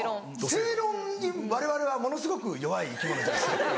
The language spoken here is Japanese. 正論にわれわれはものすごく弱い生き物じゃないですか。